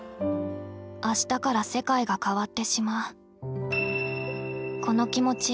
明日から世界が変わってしまう。